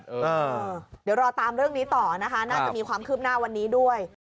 เดี๋ยวรอตามเรื่องนี้ต่อนะคะน่าจะมีความคืบหน้าวันนี้ด้วย